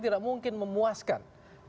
tidak mungkin memuaskan